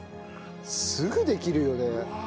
すぐできるよね。